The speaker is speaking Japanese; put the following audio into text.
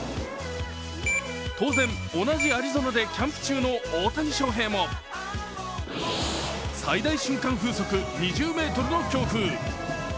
当然、同じアリゾナでキャンプ中の大谷翔平も、最大瞬間風速２０メートルの強風。